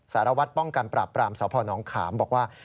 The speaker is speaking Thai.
สารวัตรป้องกันปราบปรามสพนขามบอกว่า